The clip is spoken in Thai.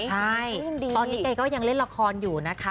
ใช่ตอนนี้แกก็ยังเล่นละครอยู่นะคะ